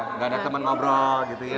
nggak ada teman ngobrol gitu ya